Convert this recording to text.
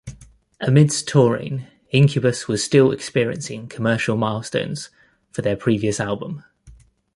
Amidst touring, Incubus was still experiencing commercial milestones for their previous album.